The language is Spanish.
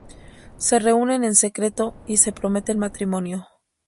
Se reúnen en secreto, y se prometen matrimonio.